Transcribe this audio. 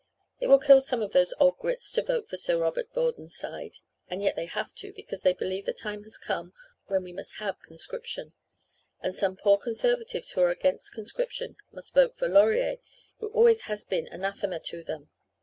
It will kill some of those old Grits to vote for Sir Robert Borden's side and yet they have to because they believe the time has come when we must have conscription. And some poor Conservatives who are against conscription must vote for Laurier, who always has been anathema to them.